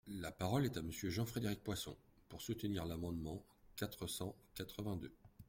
La parole est à Monsieur Jean-Frédéric Poisson, pour soutenir l’amendement numéro quatre cent quatre-vingt-deux.